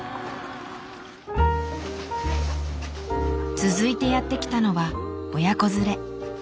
続いてやって来たのは親子連れ。